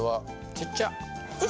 ちっちゃ！